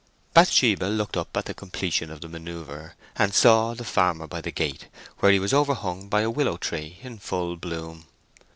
Bathsheba looked up at the completion of the manœuvre and saw the farmer by the gate, where he was overhung by a willow tree in full bloom.